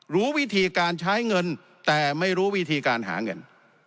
รู้วิธีการใช้เงินแต่ไม่รู้วิธีการหาเงิน